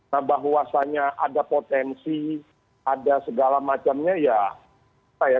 nah bahwasannya ada potensi ada segala macamnya ya